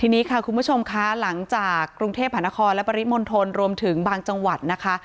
ทีนี้ค่ะคุณผู้ชมคะหลังจากกรุงเทพหานครและปริมณฑลรวมถึงบางจังหวัดนะคะ